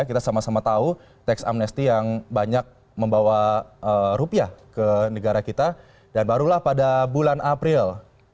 kita sama sama tahu teks amnesty yang banyak membawa rupiah ke negara kita dan barulah pada bulan april